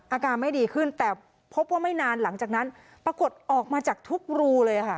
อาการไม่ดีขึ้นแต่พบว่าไม่นานหลังจากนั้นปรากฏออกมาจากทุกรูเลยค่ะ